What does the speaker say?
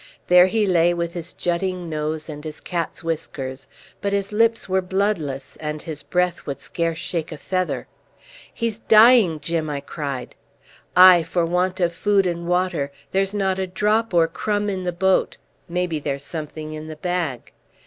There he lay with his jutting nose and his cat's whiskers, but his lips were bloodless, and his breath would scarce shake a feather. "He's dying, Jim!" I cried. "Aye, for want of food and water. There's not a drop or crumb in the boat. Maybe there's something in the bag."